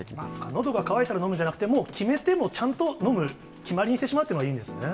のどが渇いたら飲むじゃなくて、もう決めて、ちゃんと飲む決まりにしてしまったほうがいいんですね。